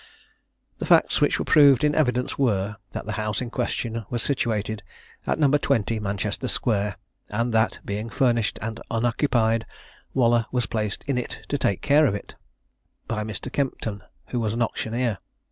The facts which were proved in evidence were, that the house in question was situated at No. 20, Manchester square, and that, being furnished and unoccupied, Waller was placed in it, to take care of it, by Mr. Kimpton, who was an auctioneer.